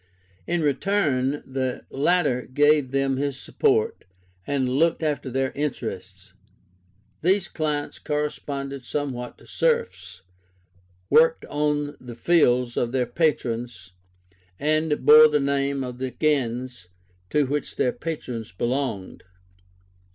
In return, the latter gave them his support, and looked after their interests. These clients corresponded somewhat to serfs, worked on the fields of their patrons, and bore the name of the gens to which their patron belonged.